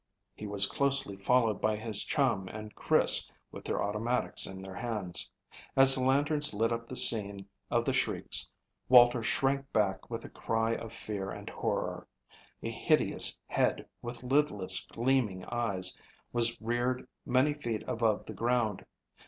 He was closely followed by his chum and Chris with their automatics in their hands. As the lantern lit up the scene of the shrieks, Walter shrank back with a cry of fear and horror. A hideous head with lidless gleaming eyes was reared many feet above the ground.